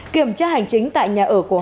kiểm tra hành chính tại nhà ở